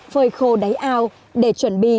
phơi khô đáy ao để chuẩn bị